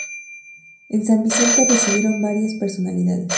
En San Vicente residieron varias personalidades.